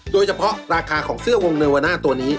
โดยเฉพาะราคาของเสื้อวงเนวาน่าตัวนี้